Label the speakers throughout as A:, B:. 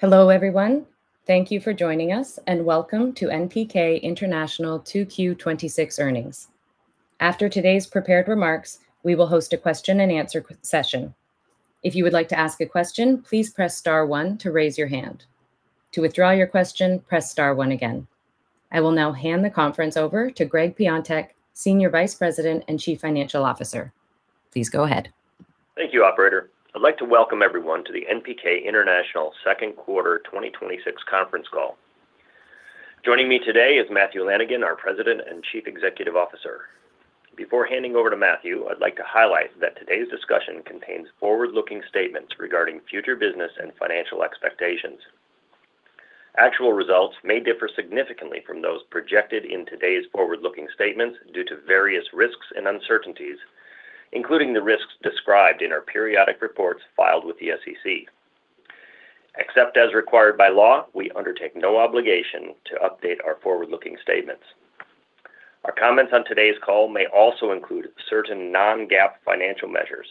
A: Hello, everyone. Thank you for joining us, and welcome to NPK International 2Q26 Earnings. After today's prepared remarks, we will host a question and answer session. If you would like to ask a question, please press star one to raise your hand. To withdraw your question, press star one again. I will now hand the conference over to Gregg Piontek, Senior Vice President and Chief Financial Officer. Please go ahead.
B: Thank you, operator. I'd like to welcome everyone to the NPK International Second Quarter 2026 conference call. Joining me today is Matthew Lanigan, our President and Chief Executive Officer. Before handing over to Matthew, I'd like to highlight that today's discussion contains forward-looking statements regarding future business and financial expectations. Actual results may differ significantly from those projected in today's forward-looking statements due to various risks and uncertainties, including the risks described in our periodic reports filed with the SEC. Except as required by law, we undertake no obligation to update our forward-looking statements. Our comments on today's call may also include certain Non-GAAP financial measures.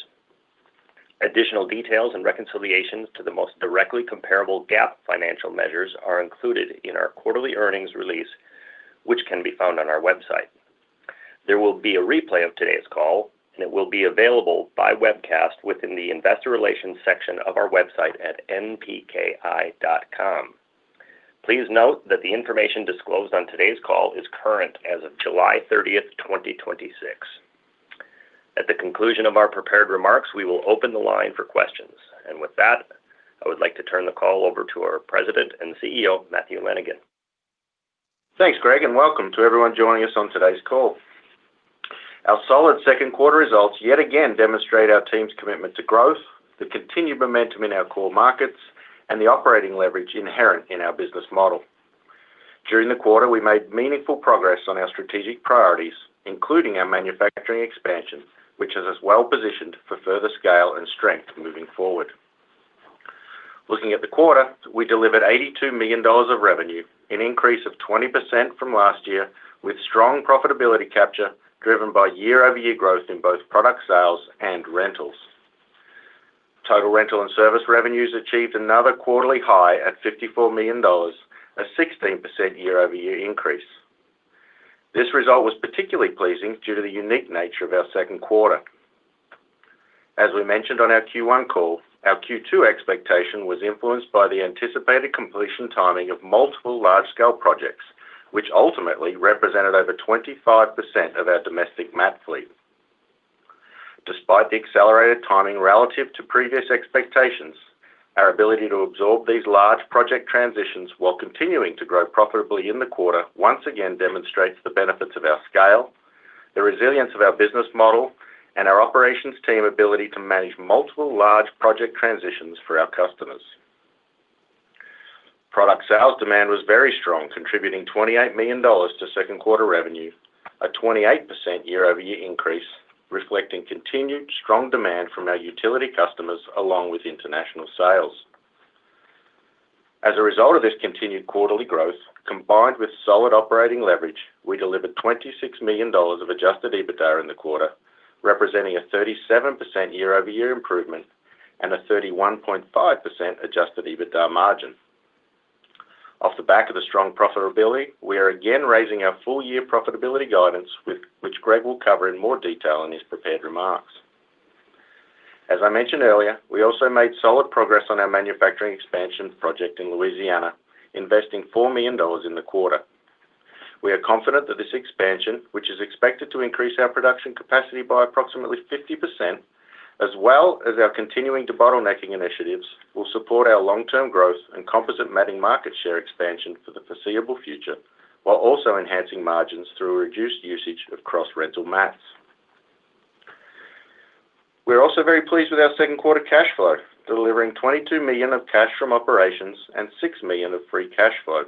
B: Additional details and reconciliations to the most directly comparable GAAP financial measures are included in our quarterly earnings release, which can be found on our website. There will be a replay of today's call. It will be available by webcast within the investor relations section of our website at npki.com. Please note that the information disclosed on today's call is current as of July 30th, 2026. At the conclusion of our prepared remarks, we will open the line for questions. With that, I would like to turn the call over to our President and Chief Executive Officer, Matthew Lanigan.
C: Thanks, Gregg, welcome to everyone joining us on today's call. Our solid second quarter results yet again demonstrate our team's commitment to growth, the continued momentum in our core markets, and the operating leverage inherent in our business model. During the quarter, we made meaningful progress on our strategic priorities, including our manufacturing expansion, which has us well-positioned for further scale and strength moving forward. Looking at the quarter, we delivered $82 million of revenue, an increase of 20% from last year, with strong profitability capture driven by year-over-year growth in both product sales and rentals. Total rental and service revenues achieved another quarterly high at $54 million, a 16% year-over-year increase. This result was particularly pleasing due to the unique nature of our second quarter. As we mentioned on our Q1 call, our Q2 expectation was influenced by the anticipated completion timing of multiple large-scale projects, which ultimately represented over 25% of our domestic mat fleet. Despite the accelerated timing relative to previous expectations, our ability to absorb these large project transitions while continuing to grow profitably in the quarter once again demonstrates the benefits of our scale, the resilience of our business model, and our operations team ability to manage multiple large project transitions for our customers. Product sales demand was very strong, contributing $28 million to second quarter revenue, a 28% year-over-year increase reflecting continued strong demand from our utility customers along with international sales. As a result of this continued quarterly growth, combined with solid operating leverage, we delivered $26 million of adjusted EBITDA in the quarter, representing a 37% year-over-year improvement and a 31.5% adjusted EBITDA margin. Off the back of the strong profitability, we are again raising our full-year profitability guidance, which Gregg will cover in more detail in his prepared remarks. As I mentioned earlier, we also made solid progress on our manufacturing expansion project in Louisiana, investing $4 million in the quarter. We are confident that this expansion, which is expected to increase our production capacity by approximately 50%, as well as our continuing debottlenecking initiatives, will support our long-term growth and composite matting market share expansion for the foreseeable future, while also enhancing margins through a reduced usage of cross-rental mats. We are also very pleased with our second quarter cash flow, delivering $22 million of cash from operations and $6 million of free cash flow,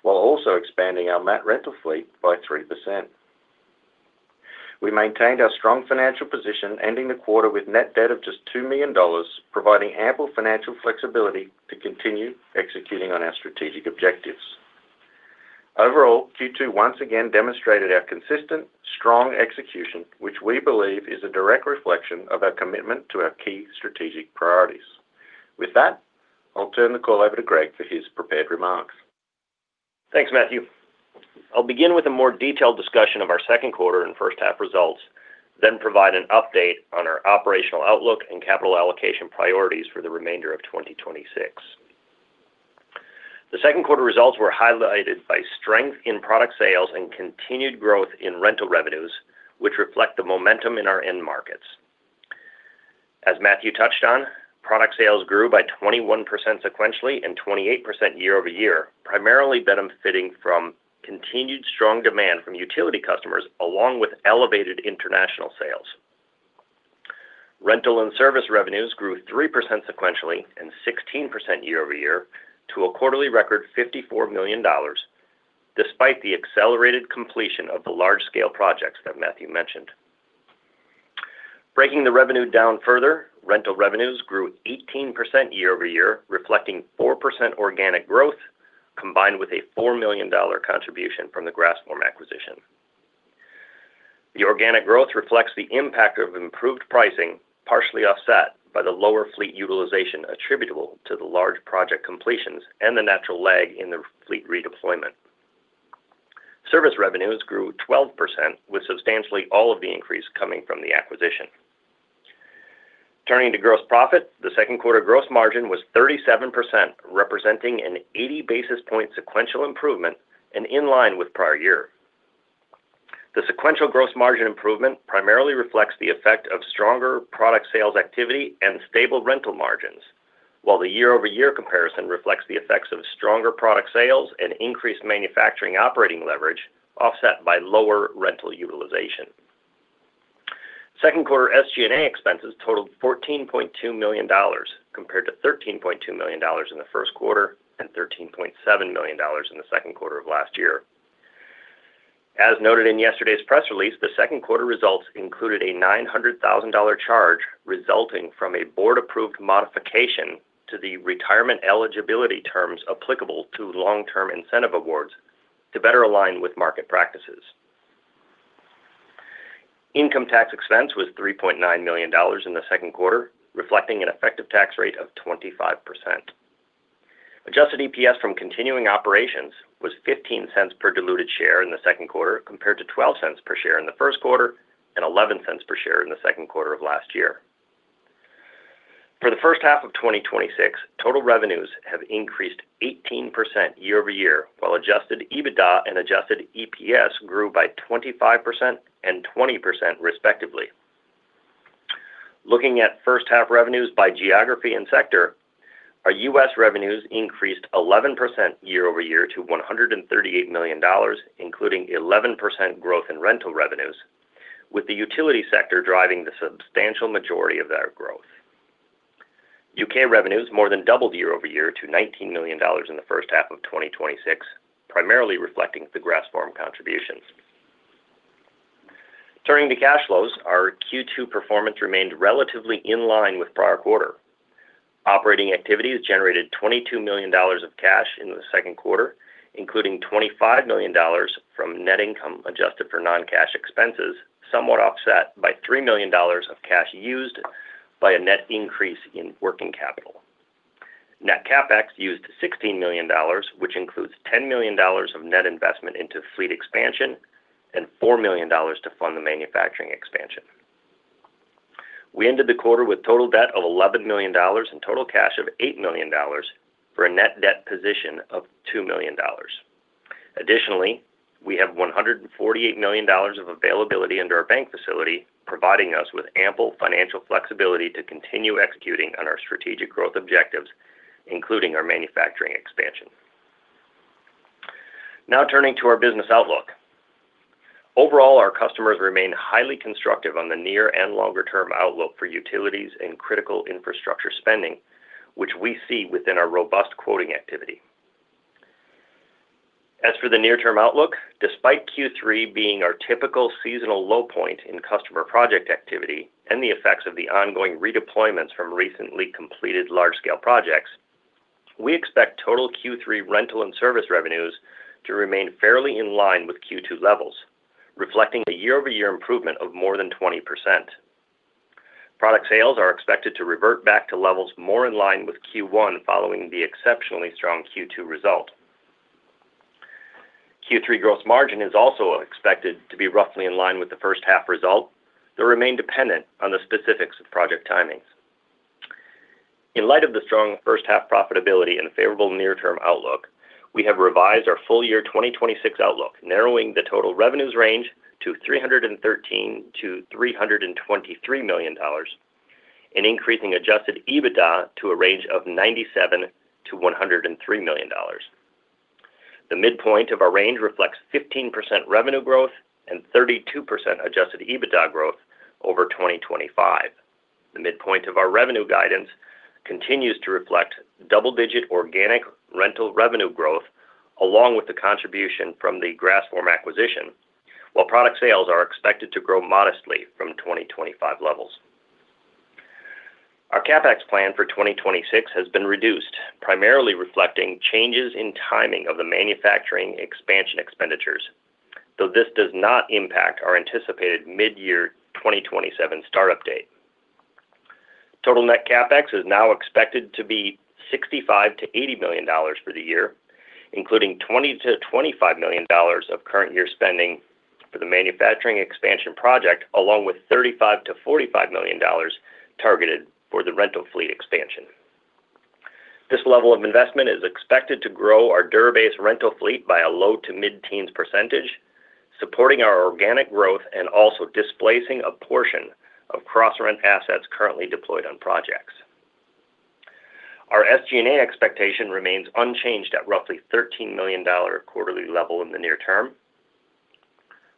C: while also expanding our mat rental fleet by 3%. We maintained our strong financial position ending the quarter with net debt of just $2 million, providing ample financial flexibility to continue executing on our strategic objectives. Overall, Q2 once again demonstrated our consistent strong execution, which we believe is a direct reflection of our commitment to our key strategic priorities. With that, I'll turn the call over to Gregg for his prepared remarks.
B: Thanks, Matthew. I'll begin with a more detailed discussion of our second quarter and first half results, then provide an update on our operational outlook and capital allocation priorities for the remainder of 2026. The second quarter results were highlighted by strength in product sales and continued growth in rental revenues, which reflect the momentum in our end markets. As Matthew touched on, product sales grew by 21% sequentially and 28% year-over-year, primarily benefiting from continued strong demand from utility customers along with elevated international sales. Rental and service revenues grew 3% sequentially and 16% year-over-year to a quarterly record $54 million, despite the accelerated completion of the large-scale projects that Matthew mentioned. Breaking the revenue down further, rental revenues grew 18% year-over-year, reflecting 4% organic growth, combined with a $4 million contribution from the Grassform acquisition. The organic growth reflects the impact of improved pricing, partially offset by the lower fleet utilization attributable to the large project completions and the natural lag in the fleet redeployment. Service revenues grew 12%, with substantially all of the increase coming from the acquisition. Turning to gross profit, the second quarter gross margin was 37%, representing an 80 basis point sequential improvement and in line with prior year. The sequential gross margin improvement primarily reflects the effect of stronger product sales activity and stable rental margins. The year-over-year comparison reflects the effects of stronger product sales and increased manufacturing operating leverage, offset by lower rental utilization. Second quarter SG&A expenses totaled $14.2 million, compared to $13.2 million in the first quarter and $13.7 million in the second quarter of last year. As noted in yesterday's press release, the second quarter results included a $900,000 charge resulting from a board-approved modification to the retirement eligibility terms applicable to long-term incentive awards to better align with market practices. Income tax expense was $3.9 million in the second quarter, reflecting an effective tax rate of 25%. Adjusted EPS from continuing operations was $0.15 per diluted share in the second quarter, compared to $0.12 per share in the first quarter and $0.11 per share in the second quarter of last year. For the first half of 2026, total revenues have increased 18% year-over-year, while adjusted EBITDA and adjusted EPS grew by 25% and 20% respectively. Looking at first half revenues by geography and sector, our U.S. revenues increased 11% year-over-year to $138 million, including 11% growth in rental revenues, with the utility sector driving the substantial majority of that growth. U.K. revenues more than doubled year-over-year to $19 million in the first half of 2026, primarily reflecting the Grassform contributions. Turning to cash flows, our Q2 performance remained relatively in line with prior quarter. Operating activities generated $22 million of cash into the second quarter, including $25 million from net income adjusted for non-cash expenses, somewhat offset by $3 million of cash used by a net increase in working capital. Net CapEx used $16 million, which includes $10 million of net investment into fleet expansion and $4 million to fund the manufacturing expansion. We ended the quarter with total debt of $11 million and total cash of $8 million for a net debt position of $2 million. Additionally, we have $148 million of availability under our bank facility, providing us with ample financial flexibility to continue executing on our strategic growth objectives, including our manufacturing expansion. Turning to our business outlook. Overall, our customers remain highly constructive on the near and longer-term outlook for utilities and critical infrastructure spending, which we see within our robust quoting activity. As for the near-term outlook, despite Q3 being our typical seasonal low point in customer project activity and the effects of the ongoing redeployments from recently completed large-scale projects, we expect total Q3 rental and service revenues to remain fairly in line with Q2 levels, reflecting a year-over-year improvement of more than 20%. Product sales are expected to revert back to levels more in line with Q1 following the exceptionally strong Q2 result. Q3 gross margin is also expected to be roughly in line with the first half result, though remain dependent on the specifics of project timings. In light of the strong first half profitability and the favorable near-term outlook, we have revised our full year 2026 outlook, narrowing the total revenues range to $313 million-$323 million, and increasing adjusted EBITDA to a range of $97 million-$103 million. The midpoint of our range reflects 15% revenue growth and 32% adjusted EBITDA growth over 2025. The midpoint of our revenue guidance continues to reflect double-digit organic rental revenue growth, along with the contribution from the Grassform acquisition, while product sales are expected to grow modestly from 2025 levels. Our CapEx plan for 2026 has been reduced, primarily reflecting changes in timing of the manufacturing expansion expenditures, though this does not impact our anticipated mid-year 2027 start update. Total net CapEx is now expected to be $65 million-$80 million for the year, including $20 million-$25 million of current year spending for the manufacturing expansion project, along with $35 million-$45 million targeted for the rental fleet expansion. This level of investment is expected to grow our DURA-BASE rental fleet by a low to mid-teens percentage, supporting our organic growth and also displacing a portion of cross-rent assets currently deployed on projects. Our SG&A expectation remains unchanged at roughly $13 million quarterly level in the near term,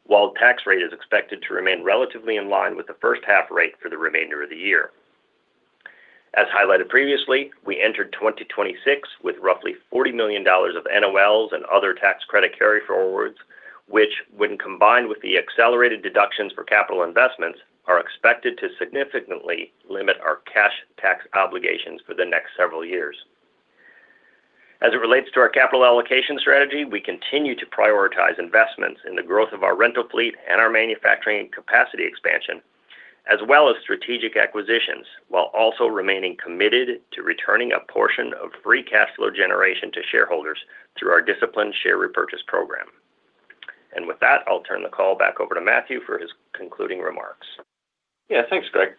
B: while tax rate is expected to remain relatively in line with the first half rate for the remainder of the year. As highlighted previously, we entered 2026 with roughly $40 million of NOLs and other tax credit carryforwards, which, when combined with the accelerated deductions for capital investments, are expected to significantly limit our cash tax obligations for the next several years. As it relates to our capital allocation strategy, we continue to prioritize investments in the growth of our rental fleet and our manufacturing capacity expansion, as well as strategic acquisitions, while also remaining committed to returning a portion of free cash flow generation to shareholders through our disciplined share repurchase program. With that, I'll turn the call back over to Matthew for his concluding remarks.
C: Yeah, thanks, Gregg.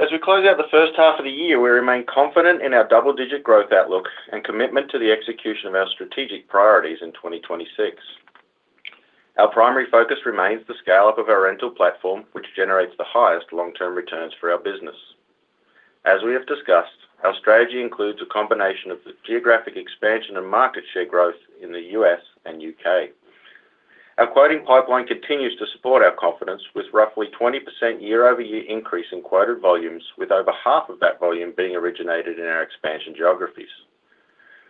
C: As we close out the first half of the year, we remain confident in our double-digit growth outlook and commitment to the execution of our strategic priorities in 2026. Our primary focus remains the scale-up of our rental platform, which generates the highest long-term returns for our business. As we have discussed, our strategy includes a combination of the geographic expansion and market share growth in the U.S. and U.K. Our quoting pipeline continues to support our confidence, with roughly 20% year-over-year increase in quoted volumes, with over half of that volume being originated in our expansion geographies.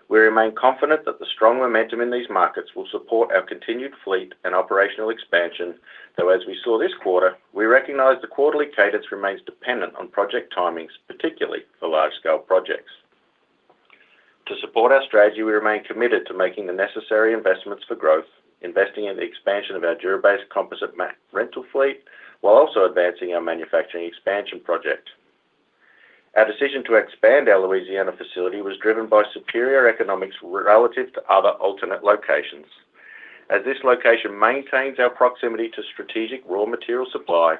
C: We remain confident that the strong momentum in these markets will support our continued fleet and operational expansion. As we saw this quarter, we recognize the quarterly cadence remains dependent on project timings, particularly for large-scale projects. To support our strategy, we remain committed to making the necessary investments for growth, investing in the expansion of our DURA-BASE composite mat rental fleet, while also advancing our manufacturing expansion project. Our decision to expand our Louisiana facility was driven by superior economics relative to other alternate locations. As this location maintains our proximity to strategic raw material supply,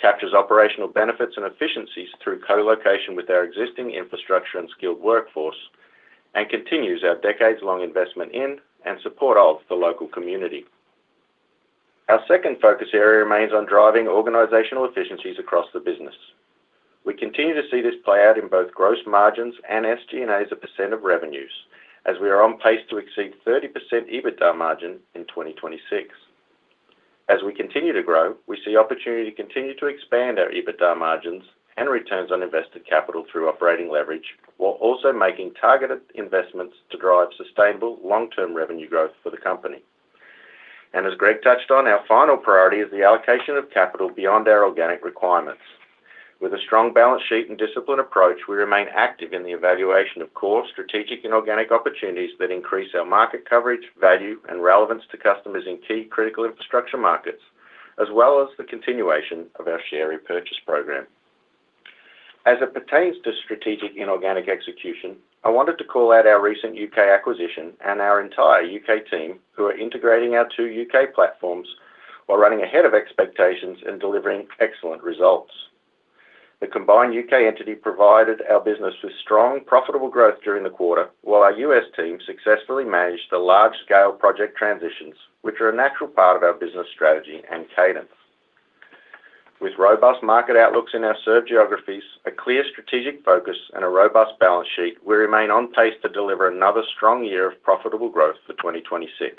C: captures operational benefits and efficiencies through co-location with our existing infrastructure and skilled workforce, and continues our decades-long investment in and support of the local community. Our second focus area remains on driving organizational efficiencies across the business. We continue to see this play out in both gross margins and SG&A as a percent of revenues as we are on pace to exceed 30% EBITDA margin in 2026. As we continue to grow, we see opportunity to continue to expand our EBITDA margins and returns on invested capital through operating leverage, while also making targeted investments to drive sustainable long-term revenue growth for the company. As Gregg touched on, our final priority is the allocation of capital beyond our organic requirements. With a strong balance sheet and disciplined approach, we remain active in the evaluation of core strategic and organic opportunities that increase our market coverage, value, and relevance to customers in key critical infrastructure markets, as well as the continuation of our share repurchase program. As it pertains to strategic inorganic execution, I wanted to call out our recent U.K. acquisition and our entire U.K. team who are integrating our two U.K. platforms while running ahead of expectations and delivering excellent results. The combined U.K. entity provided our business with strong, profitable growth during the quarter, while our U.S. team successfully managed the large-scale project transitions, which are a natural part of our business strategy and cadence. With robust market outlooks in our served geographies, a clear strategic focus, and a robust balance sheet, we remain on pace to deliver another strong year of profitable growth for 2026.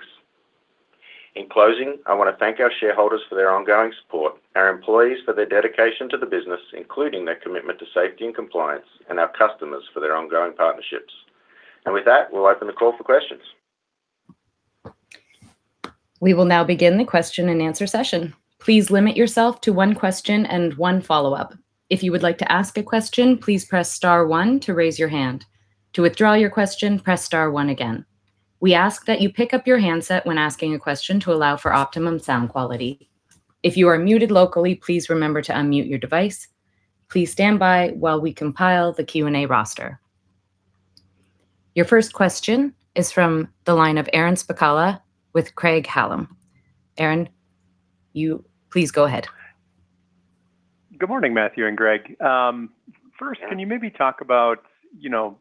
C: In closing, I want to thank our shareholders for their ongoing support, our employees for their dedication to the business, including their commitment to safety and compliance, and our customers for their ongoing partnerships. With that, we'll open the call for questions.
A: We will now begin the question-and-answer session. Please limit yourself to one question and one follow-up. If you would like to ask a question, please press star one to raise your hand. To withdraw your question, press star one again. We ask that you pick up your handset when asking a question to allow for optimum sound quality. If you are muted locally, please remember to unmute your device. Please stand by while we compile the question-and-answer roster. Your first question is from the line of Aaron Spychalla with Craig-Hallum. Aaron, you please go ahead.
D: Good morning, Matthew and Gregg. First, can you maybe talk about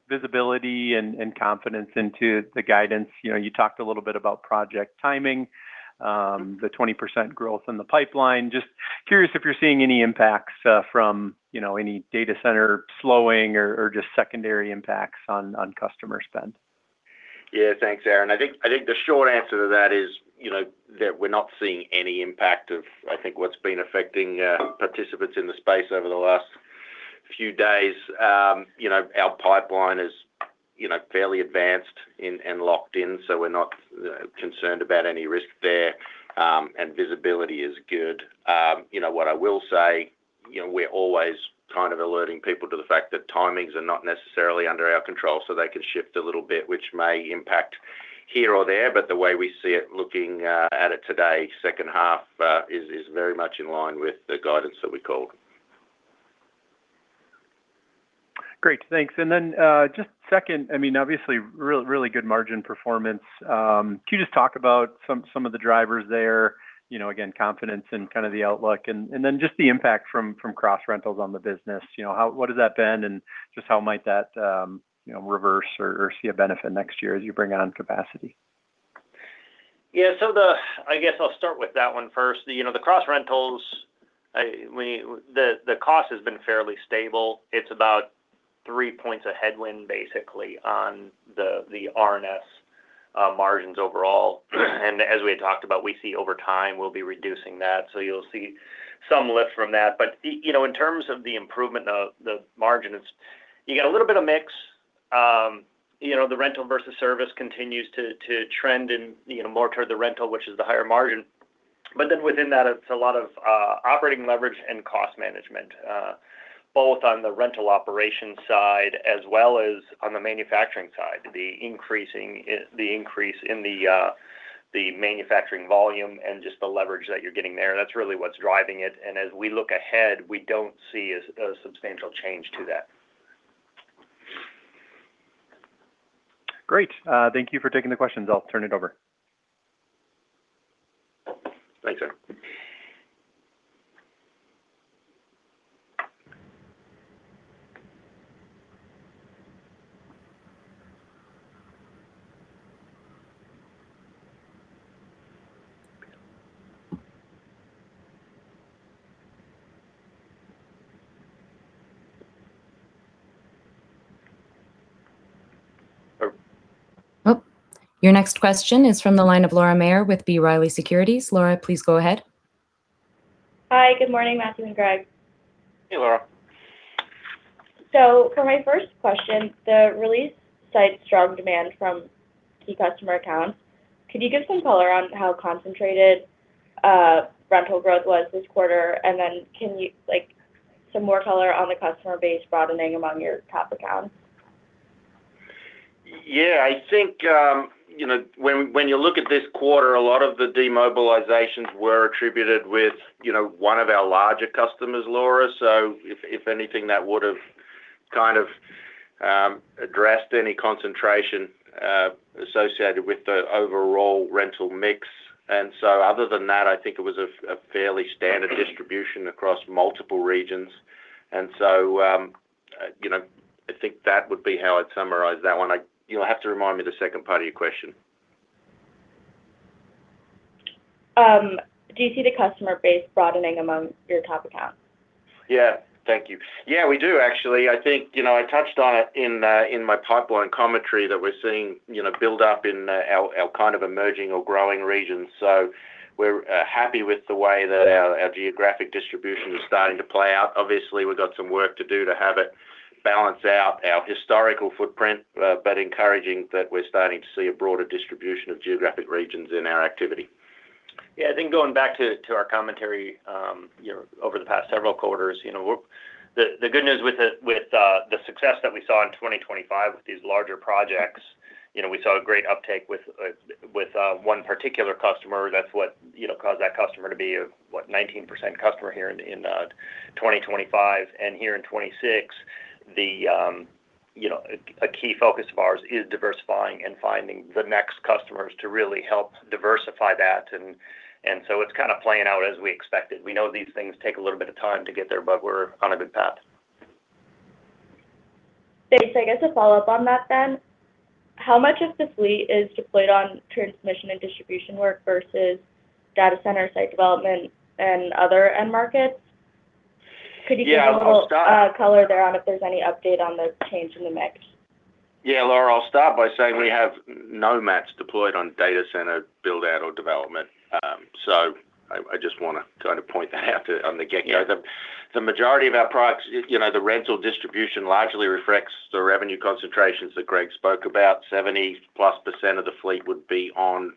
D: visibility and confidence into the guidance? You talked a little bit about project timing, the 20% growth in the pipeline. Just curious if you're seeing any impacts from any data center slowing or just secondary impacts on customer spend.
C: Yeah, thanks, Aaron. I think the short answer to that is that we're not seeing any impact of, I think, what's been affecting participants in the space over the last few days. Our pipeline is fairly advanced and locked in, so we're not concerned about any risk there, and visibility is good. What I will say, we're always alerting people to the fact that timings are not necessarily under our control, so they can shift a little bit, which may impact here or there. The way we see it, looking at it today, second half is very much in line with the guidance that we called.
D: Great. Thanks. Just second, obviously, really good margin performance. Can you just talk about some of the drivers there? Again, confidence and the outlook and then just the impact from cross-rental on the business. What has that been and just how might that reverse or see a benefit next year as you bring on capacity?
B: Yeah. I guess I'll start with that one first. The cross-rentals, the cost has been fairly stable. It's about 3 points of headwind basically on the R&S margins overall. As we had talked about, we see over time we'll be reducing that. You'll see some lift from that. In terms of the improvement of the margins, you get a little bit of mix. The rental versus service continues to trend more toward the rental, which is the higher margin. Within that, it's a lot of operating leverage and cost management, both on the rental operations side as well as on the manufacturing side. The increase in the manufacturing volume and just the leverage that you're getting there, that's really what's driving it. As we look ahead, we don't see a substantial change to that.
D: Great. Thank you for taking the questions. I'll turn it over.
C: Thanks, sir.
A: Oh. Your next question is from the line of Laura Maher with B. Riley Securities. Laura, please go ahead.
E: Hi. Good morning, Matthew and Gregg.
C: Hey, Laura.
E: For my first question, the release cites strong demand from key customer accounts. Could you give some color on how concentrated rental growth was this quarter? Then, can you give some more color on the customer base broadening among your top accounts?
C: Yeah. I think, when you look at this quarter, a lot of the demobilizations were attributed with one of our larger customers, Laura. If anything, that would have addressed any concentration associated with the overall rental mix. Other than that, I think it was a fairly standard distribution across multiple regions. I think that would be how I'd summarize that one. You'll have to remind me the second part of your question.
E: Do you see the customer base broadening among your top accounts?
C: Yeah. Thank you. Yeah, we do, actually. I think I touched on it in my pipeline commentary that we're seeing build-up in our kind of emerging or growing regions. We're happy with the way that our geographic distribution is starting to play out. Obviously, we've got some work to do to have it balance out our historical footprint, but encouraging that we're starting to see a broader distribution of geographic regions in our activity.
B: Yeah, I think going back to our commentary, over the past several quarters, the good news with the success that we saw in 2025 with these larger projects, we saw a great uptake with one particular customer. That's what caused that customer to be a 19% customer here in 2025. Here in 2026, a key focus of ours is diversifying and finding the next customers to really help diversify that. It's kind of playing out as we expected. We know these things take a little bit of time to get there, but we're on a good path.
E: Thanks. I guess a follow-up on that then. How much of the fleet is deployed on transmission and distribution work versus data center, site development, and other end markets? Could you give-
C: Yeah. I'll start
E: a little color there on if there's any update on the change in the mix?
C: Yeah, Laura, I'll start by saying we have no mats deployed on data center build-out or development. I just want to kind of point that out on the get-go. The majority of our products, the rental distribution largely reflects the revenue concentrations that Gregg spoke about. 70+% of the fleet would be on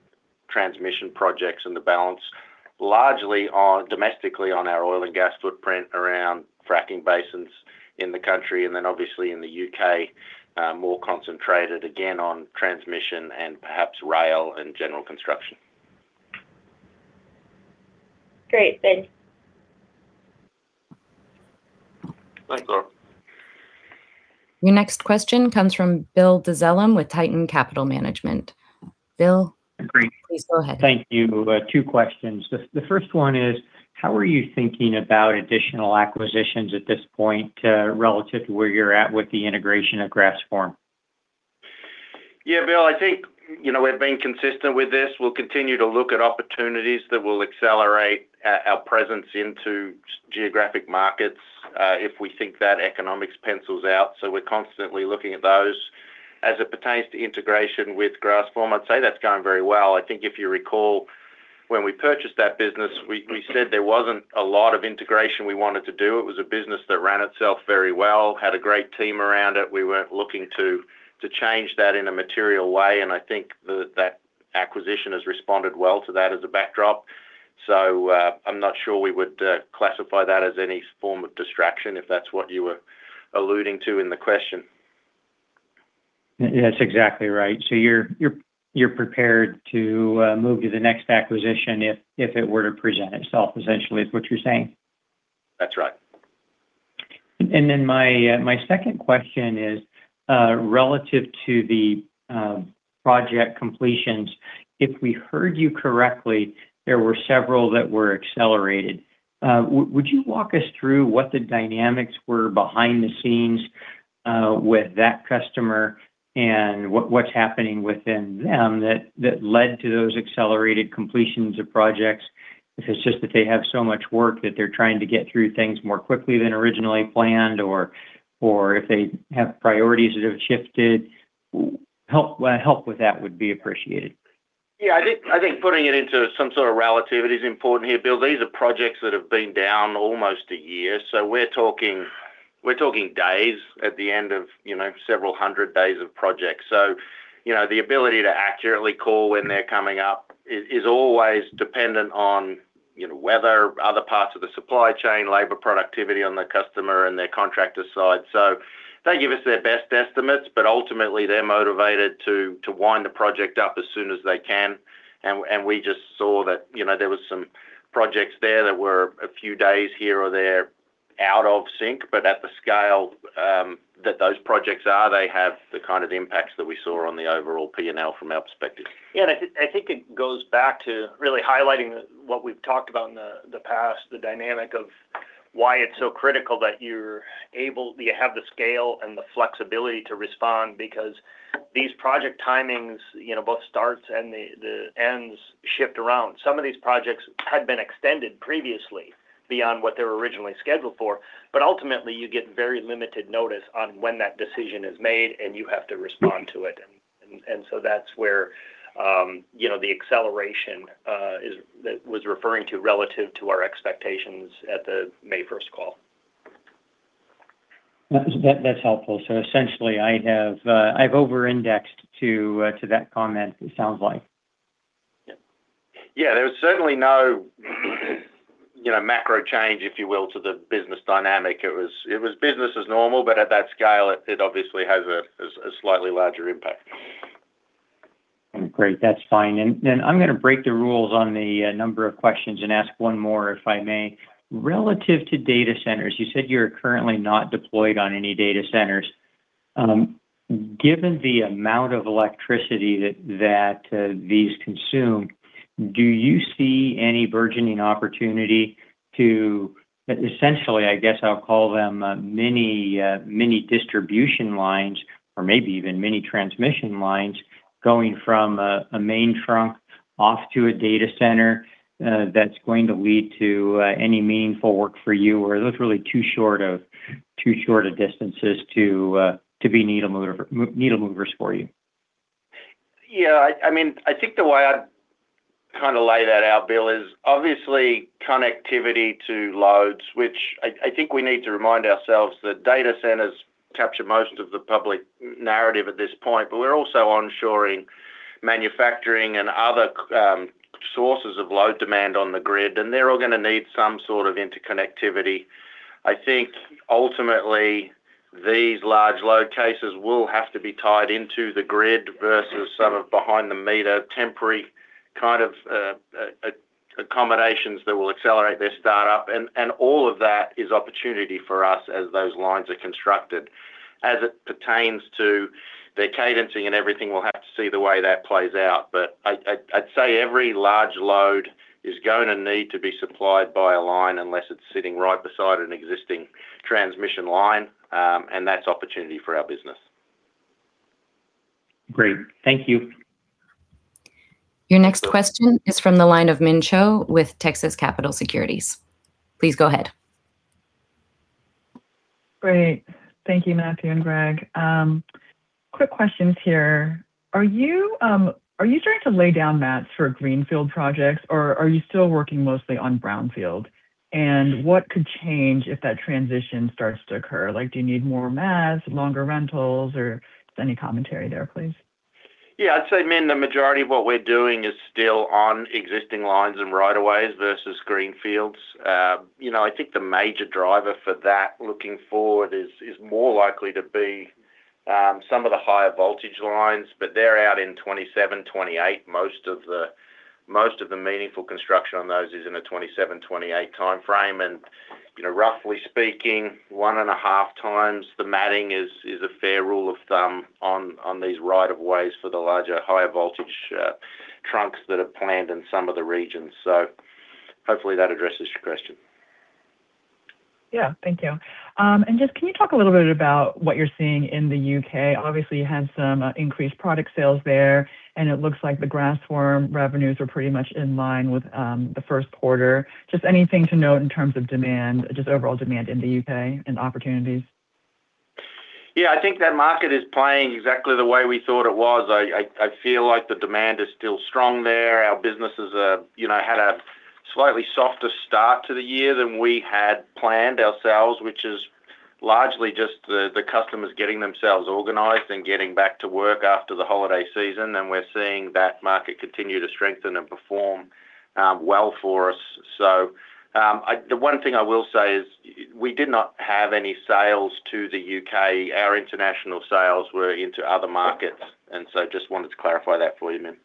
C: transmission projects, and the balance largely domestically on our oil and gas footprint around fracking basins in the country. Obviously in the U.K., more concentrated again on transmission and perhaps rail and general construction.
E: Great. Thanks.
C: Thanks, Laura.
A: Your next question comes from Bill Dezellem with Tieton Capital Management.
F: Great
A: Please go ahead.
F: Thank you. Two questions. The first one is, how are you thinking about additional acquisitions at this point, relative to where you're at with the integration of Grassform?
C: Yeah, Bill, I think we've been consistent with this. We'll continue to look at opportunities that will accelerate our presence into geographic markets, if we think that economics pencils out. We're constantly looking at those. As it pertains to integration with Grassform, I'd say that's going very well. I think if you recall, when we purchased that business, we said there wasn't a lot of integration we wanted to do. It was a business that ran itself very well, had a great team around it. We weren't looking to change that in a material way. I think that acquisition has responded well to that as a backdrop. I'm not sure we would classify that as any form of distraction, if that's what you were alluding to in the question.
F: That's exactly right. You're prepared to move to the next acquisition if it were to present itself essentially, is what you're saying?
C: That's right.
F: My second question is, relative to the project completions, if we heard you correctly, there were several that were accelerated. Would you walk us through what the dynamics were behind the scenes with that customer and what's happening within them that led to those accelerated completions of projects? If it's just that they have so much work that they're trying to get through things more quickly than originally planned or if they have priorities that have shifted, help with that would be appreciated.
C: I think putting it into some sort of relativity is important here, Bill. These are projects that have been down almost a year. We're talking We're talking days at the end of several hundred days of projects. The ability to accurately call when they're coming up is always dependent on weather, other parts of the supply chain, labor productivity on the customer and their contractor side. They give us their best estimates, but ultimately, they're motivated to wind the project up as soon as they can. We just saw that there was some projects there that were a few days here or there out of sync, but at the scale that those projects are, they have the kind of impacts that we saw on the overall P&L from our perspective.
B: I think it goes back to really highlighting what we've talked about in the past, the dynamic of why it's so critical that you have the scale and the flexibility to respond because these project timings, both starts and the ends, shift around. Some of these projects had been extended previously beyond what they were originally scheduled for, but ultimately you get very limited notice on when that decision is made, and you have to respond to it. That's where the acceleration that was referring to relative to our expectations at the May 1st call.
F: That's helpful. Essentially I've over-indexed to that comment, it sounds like.
C: Yeah. There was certainly no macro change, if you will, to the business dynamic. It was business as normal, but at that scale, it obviously has a slightly larger impact.
F: Great. That's fine. Then I'm going to break the rules on the number of questions and ask one more, if I may. Relative to data centers, you said you're currently not deployed on any data centers. Given the amount of electricity that these consume, do you see any burgeoning opportunity to essentially, I guess I'll call them, mini distribution lines or maybe even mini transmission lines going from a main trunk off to a data center that's going to lead to any meaningful work for you? Or are those really too short of distances to be needle movers for you?
C: Yeah. I think the way I'd lay that out, Bill, is obviously connectivity to loads, which I think we need to remind ourselves that data centers capture most of the public narrative at this point, but we're also onshoring manufacturing and other sources of load demand on the grid, and they're all going to need some sort of interconnectivity. I think ultimately these large load cases will have to be tied into the grid versus some of behind the meter temporary kind of accommodations that will accelerate their start-up. All of that is opportunity for us as those lines are constructed. As it pertains to their cadencing and everything, we'll have to see the way that plays out. I'd say every large load is going to need to be supplied by a line unless it's sitting right beside an existing transmission line, and that's opportunity for our business.
F: Great. Thank you.
A: Your next question is from the line of Min Cho with Texas Capital Securities. Please go ahead.
G: Great. Thank you, Matthew and Gregg. Quick questions here. Are you starting to lay down mats for greenfield projects or are you still working mostly on brownfield? What could change if that transition starts to occur? Do you need more mats, longer rentals, or just any commentary there, please?
C: Yeah. I'd say, Min, the majority of what we're doing is still on existing lines and right of ways versus greenfields. I think the major driver for that looking forward is more likely to be some of the higher voltage lines, but they're out in 2027, 2028. Most of the meaningful construction on those is in the 2027, 2028 timeframe. Roughly speaking, 1.5x the matting is a fair rule of thumb on these right of ways for the larger higher voltage trunks that are planned in some of the regions. Hopefully that addresses your question.
G: Thank you. Can you talk a little bit about what you're seeing in the U.K.? Obviously, you had some increased product sales there, and it looks like the Grassform revenues are pretty much in line with the first quarter. Anything to note in terms of demand, overall demand in the U.K. and opportunities?
C: Yeah, I think that market is playing exactly the way we thought it was. I feel like the demand is still strong there. Our businesses had a slightly softer start to the year than we had planned ourselves, which is largely just the customers getting themselves organized and getting back to work after the holiday season. We're seeing that market continue to strengthen and perform well for us. The one thing I will say is we did not have any sales to the U.K. Our international sales were into other markets, wanted to clarify that for you, Min.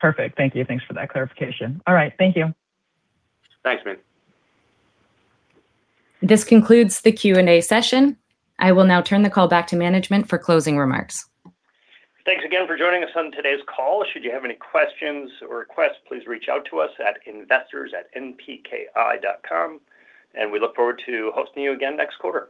G: Perfect. Thank you. Thanks for that clarification. All right. Thank you.
C: Thanks, Min.
A: This concludes the Q&A session. I will now turn the call back to management for closing remarks.
B: Thanks again for joining us on today's call. Should you have any questions or requests, please reach out to us at investors@npki.com. We look forward to hosting you again next quarter.